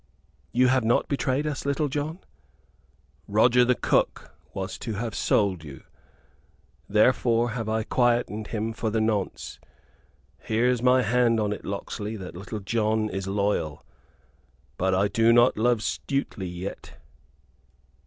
"You have not betrayed us, Little John?" "Roger the cook was to have sold you. Therefore have I quietened him for the nonce. Here's my hand on it, Locksley: that Little John is loyal. But I do not love Stuteley yet."